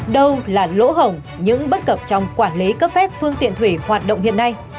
đâu là lỗ hổng những bất cập trong quản lý cấp phép phương tiện thủy hoạt động hiện nay